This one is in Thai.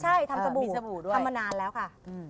ใช่ทำสบู่สบู่ทำมานานแล้วค่ะ